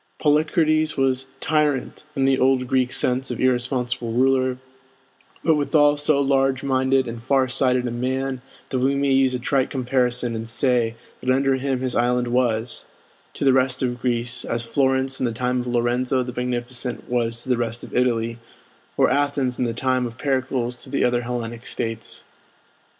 Polycrates was "tyrant," in the old Greek sense of irresponsible ruler; but withal so large minded and far sighted a man that we may use a trite comparison and say that under him his island was, to the rest of Greece, as Florence in the time of Lorenzo the Magnificent was to the rest of Italy, or Athens in the time of Pericles to the other Hellenic States.